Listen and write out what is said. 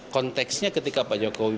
konteksnya ketika pak jokowi